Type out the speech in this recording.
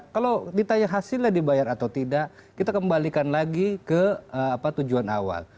kalau ditanya hasilnya dibayar atau tidak kita kembalikan lagi ke tujuan awal